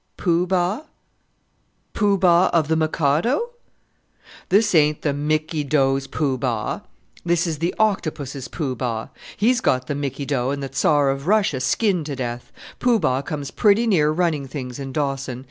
"Poo Bah Poo Bah of the Mikado?" "This ain't the Mikie do's Poo Bah this is the Octopus' Poo Bah! He's got the Mikie do and the Czar of Russia skinned to death. Poo Bah comes pretty near running things in Dawson.